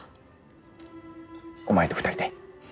お前と２人で。